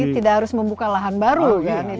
tidak harus membuka lahan baru